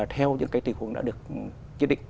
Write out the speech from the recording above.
theo những cái tình huống đã được chế định